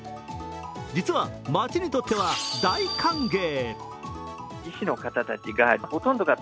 実は、町にとっては大歓迎。